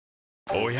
おや？